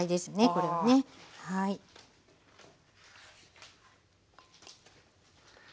これはね。はあ。